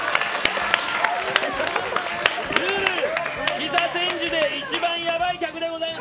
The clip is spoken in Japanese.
北千住で一番やばい客でございます。